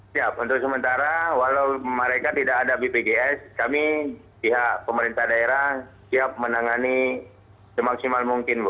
siap untuk sementara walau mereka tidak ada bpjs kami pihak pemerintah daerah siap menangani semaksimal mungkin bu